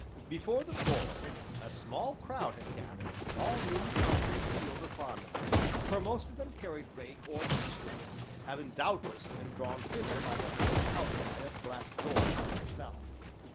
Before "The Bull" a small crowd had gathered, all newly come from field or farmyard, for most of them carried rake or pitchfork, having doubtless been drawn thither by the hellish outcry of Black George and myself.